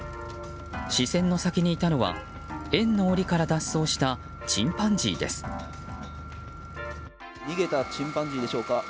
視線の先にいたのは園の檻から脱走した逃げたチンパンジーでしょうか。